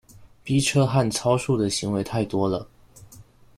逼車和超速的行為太多了